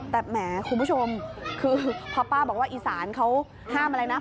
แต่แหมคุณผู้ชมคือพอป้าบอกว่าอีสานเขาห้ามอะไรนะ